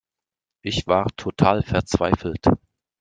Ich war total verzweifelt.